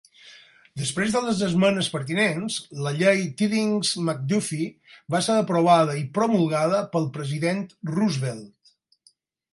Després de les esmenes pertinents, la llei Tydings-McDuffie va ser aprovada i promulgada pel President Roosevelt.